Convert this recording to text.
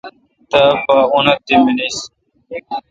تا پا اُنآ تی منیس